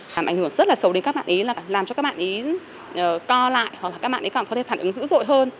làm ảnh hưởng rất là sâu đến các bạn ý là làm cho các bạn ý co lại hoặc là các bạn ấy còn có thể phản ứng dữ dội hơn